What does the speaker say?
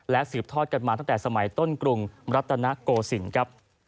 และสิบทอดกันมาตั้งแต่สมัยต้นกรุงมรัฐณกสิงห์